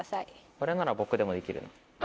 これなら僕でもできる。